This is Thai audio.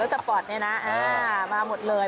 สปอร์ตเนี่ยนะมาหมดเลย